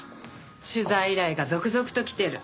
取材依頼が続々と来てる。